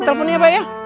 teleponnya ya pak ya